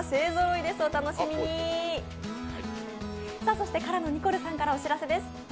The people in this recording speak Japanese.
そして、ＫＡＲＡのニコルさんからお知らせです。